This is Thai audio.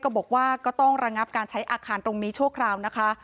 ก็บอกว่าก็ต้องระงับการใช้อาคารตรงนี้เช่าขณะ